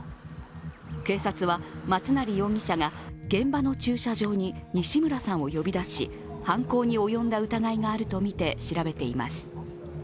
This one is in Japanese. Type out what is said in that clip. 警察は、松成容疑者が現場の駐車場に西村さんを呼び出し犯行に及んだ疑いがあるとみて調べています。